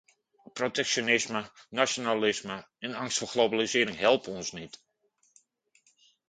Protectionisme, nationalisme en angst voor globalisering helpen ons niet.